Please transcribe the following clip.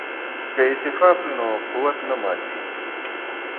که اتفاق وي نو قوت نه ماتیږي.